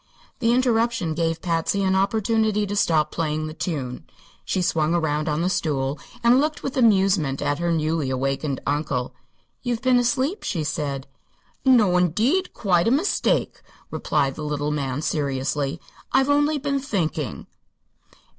The interruption gave Patsy an opportunity to stop playing the tune. She swung around on the stool and looked with amusement at her newly awakened uncle. "You've been asleep," she said. "No, indeed; quite a mistake," replied the little man, seriously. "I've only been thinking."